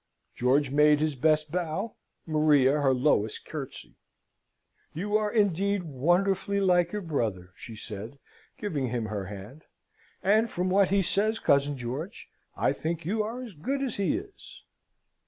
George made his best bow, Maria her lowest curtsey. "You are indeed wonderfully like your brother," she said, giving him her hand. "And from what he says, cousin George, I think you are as good as he is."